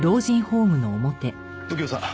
右京さん